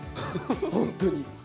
本当に。